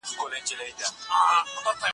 ته ولي سبزېجات تياروې؟